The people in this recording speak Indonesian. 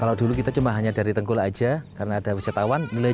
ya mungkin kalau dulu kita cuma hanya dari l partner aja karena ada wisatawan milihnya